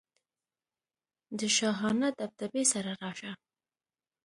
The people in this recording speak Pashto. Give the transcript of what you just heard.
د شاهانه دبدبې سره راشه.